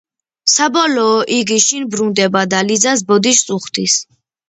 საბოლოო იგი შინ ბრუნდება და ლიზას ბოდიშს უხდის.